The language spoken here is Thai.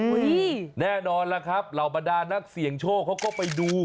แน่นอนล่ะครับเหล่าบรรดานักเสี่ยงโชคเขาก็ไปดู